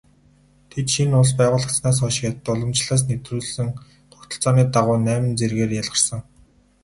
Тэд шинэ улс байгуулагдсанаас хойш хятад уламжлалаас нэвтрүүлсэн тогтолцооны дагуу найман зэргээр ялгарсан.